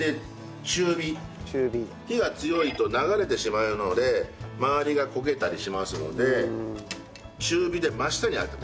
火が強いと流れてしまうので周りが焦げたりしますので中火で真下に当ててあげる。